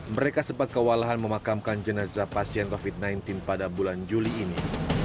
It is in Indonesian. mereka sempat kewalahan memakamkan jenazah pasien covid sembilan belas pada bulan juli ini